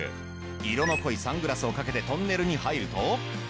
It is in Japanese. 色の濃いサングラスをかけてトンネルに入ると。